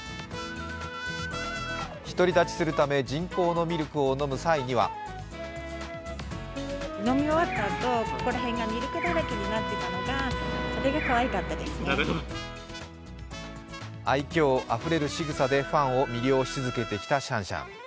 独り立ちするため、人工のミルクを飲む際には愛きょうあふれるしぐさでファンを魅了し続けてきたシャンシャン。